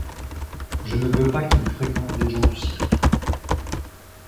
Je ne veux pas qu'ils fréquentent les gens du cirque...